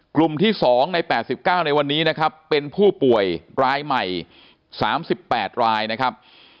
กลุ่มที่๒ใน๘๙ในวันนี้นะครับเป็นผู้ป่วยรายใหม่๓๘รายนะครับ